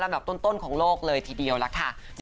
แบบต้นของโลกเลยทีเดียวล่ะค่ะ